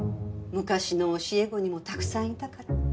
昔の教え子にもたくさんいたから。